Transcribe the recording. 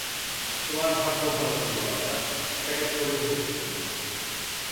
তোমার ভাগ্য ভালো ছিল, বাছা, এটাকে ধরে বসে থেকো না।